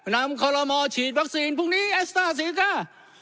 นำขอละมอฉีดวัคซีนพรุ่งนี้แอสต้าสีกล้า